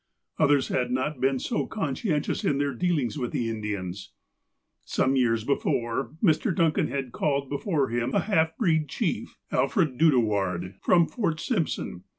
Others had not been so conscientious in their dealings with the Indians. Some years before, Mr. Duncan had called before him a half breed chief, Alfred Dudoward, from Fort Simpson.